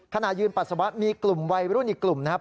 ขณะยืนปัสสาวะมีกลุ่มวัยรุ่นอีกกลุ่มนะครับ